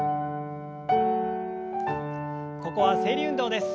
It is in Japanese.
ここは整理運動です。